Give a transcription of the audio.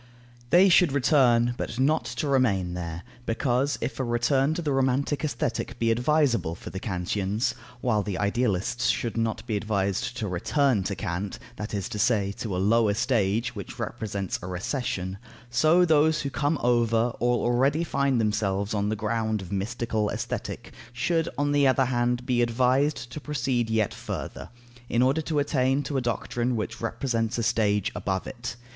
They should return, but not to remain there; because, if a return to the romantic Aesthetic be advisable for the Kantians (while the idealists should not be advised to "return to Kant," that is to say, to a lower stage, which represents a recession), so those who come over, or already find themselves on the ground of mystical Aesthetic, should, on the other hand be advised to proceed yet further, in order to attain to a doctrine which represents a stage above it.